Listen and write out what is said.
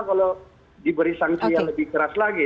kalau diberi sanksian lebih keras lagi